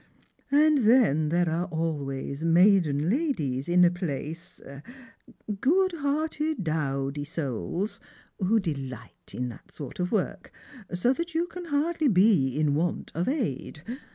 And then there are always maiden ladies in a place — good hearted dowdy souls, who delight in that sort of work ; so that you can hardly be in want of aid.